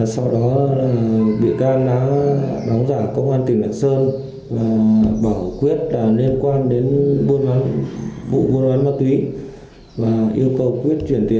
sau đó vị can đã đóng giả công an tỉnh lạc sơn và bỏ quyết liên quan đến vụ buôn bán ma túy